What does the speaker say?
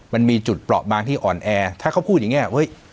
มันมีจุดเปราะบางที่อ่อนแอถ้าเขาพูดอย่างนี้เฮ้ย